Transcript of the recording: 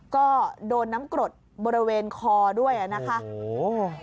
ก็โดนน้ำกรดบริเวณคอด้วยอ่ะนะคะโอ้โห